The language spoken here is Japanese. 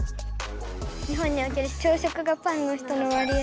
「日本における朝食がパンの人の割合」。